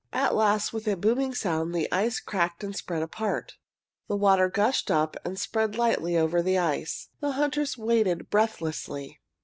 At last with a booming sound the ice cracked and spread apart. The water gushed up and spread lightly over the ice. The hunters waited breathlessly.